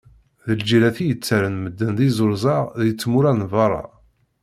D lgirrat i yettarran medden d izruzaɣ deg tmura n berra.